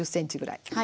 １０ｃｍぐらい。